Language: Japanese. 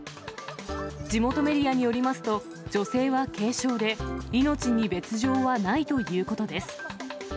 地元メディアによりますと、女性は軽傷で、命に別状はないということです。